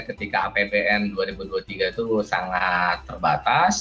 ketika apbn dua ribu dua puluh tiga itu sangat terbatas